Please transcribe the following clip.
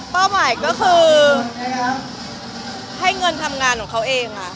หมายก็คือให้เงินทำงานของเขาเองค่ะ